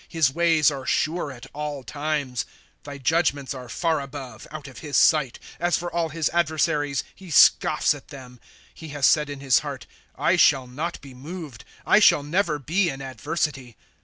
^ His ways are sure at all times ; Thy judgments are far above, out of his sight ; As for all his adversaries, he scoffs at them. * He has said iu his heart : I shall not be moved ; I shall never be in adversity.